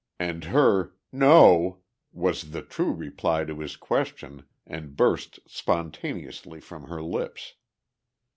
And her "No," was the true reply to his question and burst spontaneously from her lips.